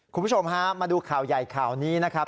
คุณผู้ชมฮะมาดูข่าวใหญ่ข่าวนี้นะครับ